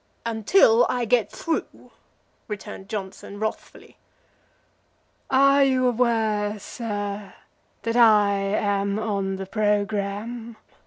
"Until I get through," returned Johnson, wrathfully. "Are you aware, sir, that I am on the programme?"